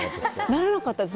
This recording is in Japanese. ならなかったです。